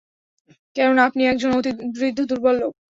কেননা, আপনি একজন অতি বৃদ্ধ দুর্বল লোক।